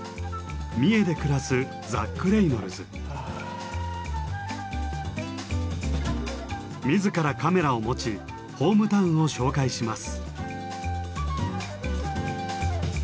三重で暮らす自らカメラを持ちホームタウンを紹介します。